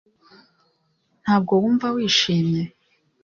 ntabwo wumva wishimye